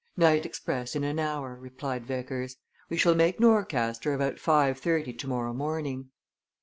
"Night express in an hour," replied Vickers. "We shall make Norcaster about five thirty tomorrow morning."